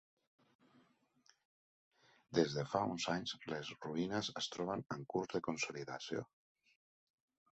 Des de fa uns anys les ruïnes es troben en curs de consolidació.